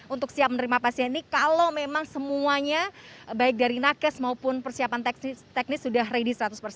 untuk siap menerima pasien ini kalau memang semuanya baik dari nakes maupun persiapan teknis sudah ready